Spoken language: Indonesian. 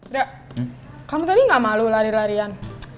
dak kamu tadi gak malu lari larian